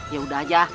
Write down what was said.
ya udah aja